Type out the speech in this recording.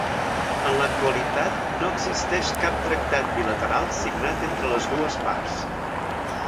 En l'actualitat no existeix cap tractat bilateral signat entre les dues parts.